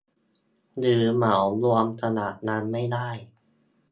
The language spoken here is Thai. หรือเหมารวมขนาดนั้นไม่ได้